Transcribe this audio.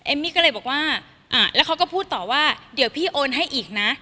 มี่ก็เลยบอกว่าแล้วเขาก็พูดต่อว่าเดี๋ยวพี่โอนให้อีกนะ